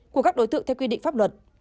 của các đối tượng theo quy định pháp luật